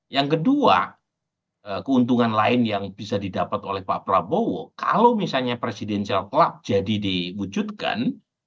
yang kedua keuntungan lain yang bisa didapat oleh pak prabowo kalau misalnya presidensial club jadi diwujudkan